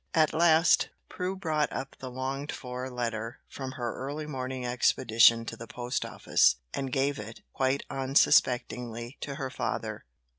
At last Prue brought up the longed for letter from her early morning expedition to the post office, and gave it, quite unsuspectingly, to her father.